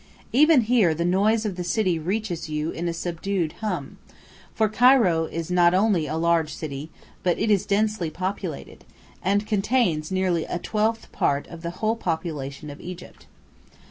Even here the noise of the city reaches you in a subdued hum, for Cairo is not only a large city, but it is densely populated, and contains nearly a twelfth part of the whole population of Egypt.